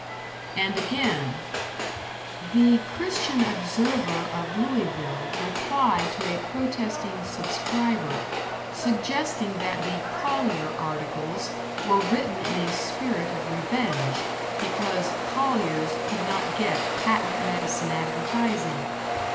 And again: The "Christian Observer" of Louisville replied to a protesting subscriber, suggesting that the "Collier" articles were written in a spirit of revenge, because "Collier's" could not get patent medicine advertising.